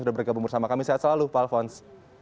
sudah bergabung bersama kami sehat selalu pak alfons